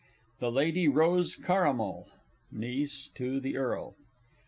_ _The Lady Rose Caramel (niece to the Earl).